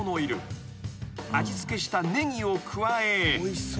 ［味付けしたネギを加え］